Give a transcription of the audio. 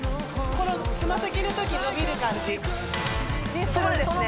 この爪先のとき伸びる感じにするんですね